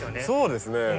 そうですね。